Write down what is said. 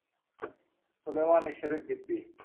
সুলেমান, ঈশ্বরের দিব্যি।